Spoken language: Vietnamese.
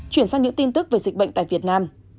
chuyển sang những tin tức về dịch bệnh tại việt nam